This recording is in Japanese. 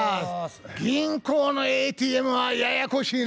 銀行のＡＴＭはややこしいなぁ。